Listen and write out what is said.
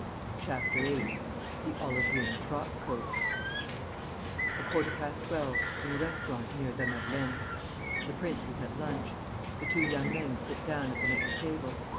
CHAPTER VIII THE OLIVE GREEN FROCK COAT A quarter past twelve, in a restaurant near the Madeleine. The prince is at lunch. Two young men sit down at the next table.